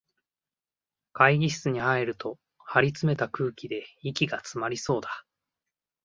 会議室に入ると、張りつめた空気で息がつまりそうだ